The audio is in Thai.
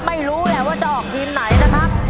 ไม่รู้แหละว่าจะออกทีมไหนนะครับ